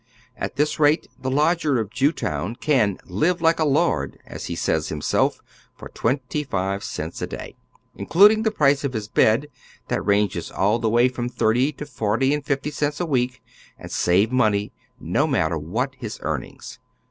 At this rate the lodger of Jewtown can "live like a lord," as he saya himself, for twenty five cents a day, including the price of his bed, that ranges all the way fi om thirty to forty and fifty cents a week, and save money, no matter what his earnings.